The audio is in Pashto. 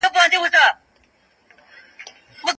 هغه په خپلو ساده خبرو کې ډېر لوی حقیقتونه بیان کړل.